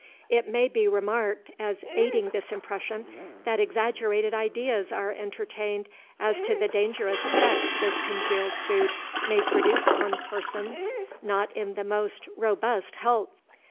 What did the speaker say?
It may be remarked, as aiding this impression, that exaggerated ideas are entertained as to the dangerous effects this congealed food may produce on persons not in the most robust health.